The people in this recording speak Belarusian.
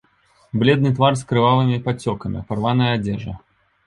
Бледны твар з крывавымі падцёкамі, парваная адзежа.